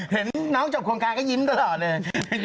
เห็นน้องจบโครงการก็ยิ้มตลอดเลย